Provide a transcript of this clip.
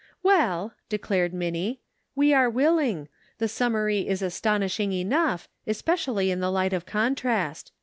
" Well," declared Minnie, " we are willing ; the summary is astonishing enough, especially in the light of contrast.